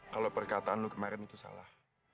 kalau perkataan kemarin itu salah